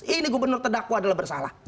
ini gubernur terdakwa adalah bersalah